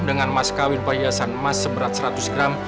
dengan mas kawin perhiasan emas seberat seratus gram